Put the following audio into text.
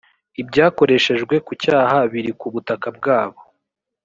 ibyakoreshejwe ku cyaha biri ku butaka bwabo